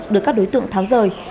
được các đối tượng tháo rời